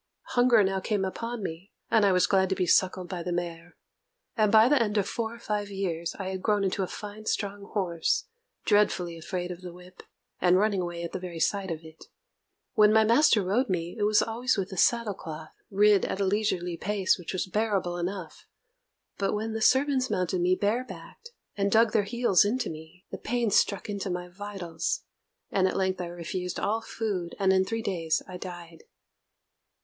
Hunger now came upon me, and I was glad to be suckled by the mare; and by the end of four or five years I had grown into a fine strong horse, dreadfully afraid of the whip, and running away at the very sight of it. When my master rode me, it was always with a saddle cloth, and at a leisurely pace, which was bearable enough; but when the servants mounted me barebacked, and dug their heels into me, the pain struck into my vitals; and at length I refused all food, and in three days I died.